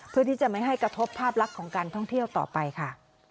เพื่อที่จะไม่ให้กระทบภาพลักษณ์ของการท่องเที่ยวต่อไปค่ะ